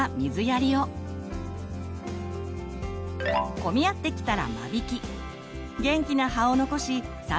混み合ってきたら間引き。